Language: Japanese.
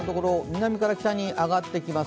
南から北に上がってきます。